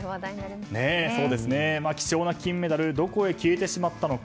貴重な金メダルどこでなくしてしまったのか。